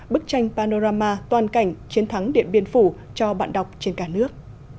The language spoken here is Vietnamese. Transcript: bức tranh panorama toàn cảnh chiến thắng điện biên phủ cho bạn đọc trên cả nước